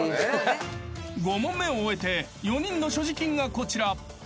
［５問目を終えて４人の所持金がこちら］